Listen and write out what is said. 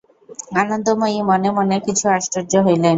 আনন্দময়ী মনে মনে কিছু আশ্চর্য হইলেন।